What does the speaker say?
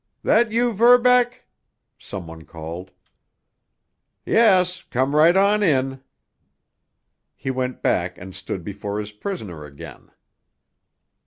"That you, Verbeck?" some one called. "Yes. Come right on in!" He went back and stood before his prisoner again.